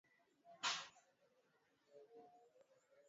Lugha ya kingereza.